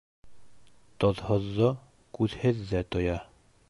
Тоҙһоҙҙо күҙһеҙ ҙә тоя.